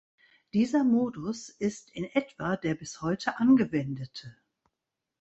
Dieser Modus ist in etwa der bis heute angewendete.